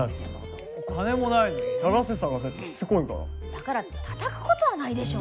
だからってたたくことはないでしょ。